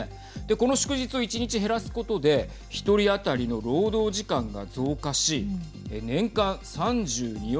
この祝日を１日減らすことで１人当たりの労働時間が増加し年間３２億